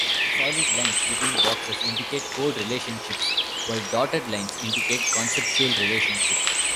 Solid lines between boxes indicate code relationships, while dotted lines indicate conceptual relationships.